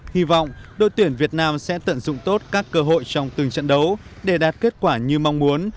hy vọng đội tuyển việt nam sẽ tận dụng tốt các cơ hội trong từng trận đấu để đạt kết quả như mong muốn